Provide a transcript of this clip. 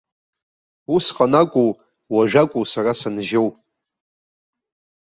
Усҟан акәу, уажә акәу сара санжьоу?